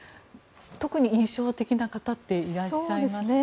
特に印象的な方っていらっしゃいますか？